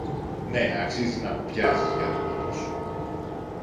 Ναι, αξίζει να κοπιάζεις για τον τόπο σου.